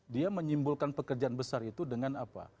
dia menyimpulkan pekerjaan besar itu dengan apa